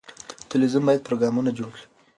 تلویزیون باید پروګرامونه جوړ کړي.